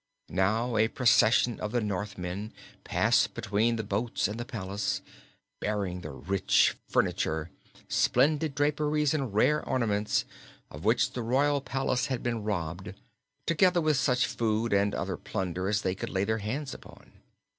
Now a procession of the Northmen passed between the boats and the palace, bearing the rich furniture, splendid draperies and rare ornaments of which the royal palace had been robbed, together with such food and other plunder as they could lay their hands upon.